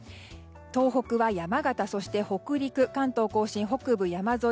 東北は山形、そして北陸関東甲信北部山沿い